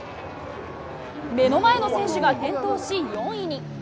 目の前の選手が転倒し４位に。